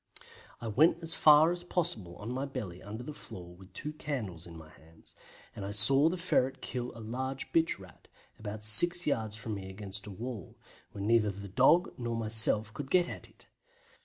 I went as far as possible on my belly under the floor with two candles in my hands, and I saw the ferret kill a large bitch Rat, about six yards from me against a wall, where neither the dog nor myself could get at it.